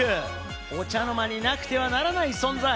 お茶の間になくてはならない存在。